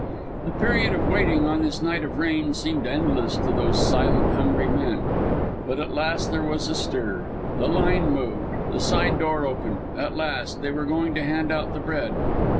The period of waiting on this night of rain seemed endless to those silent, hungry men; but at length there was a stir. The line moved. The side door opened. Ah, at last! They were going to hand out the bread.